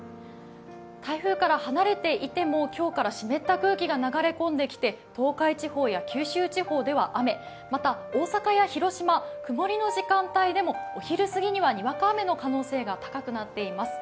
台風から離れていても、今日から湿った空気が流れ込んできて東海地方や九州地方では雨、また、大阪や広島、曇りの時間帯でもお昼過ぎにはにわか雨の可能性が高くなっています。